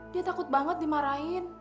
dia takut banget dimarahin